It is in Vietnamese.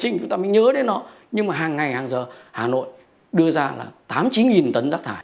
nhưng mà hàng ngày hàng giờ hà nội đưa ra là tám chín tấn rác thải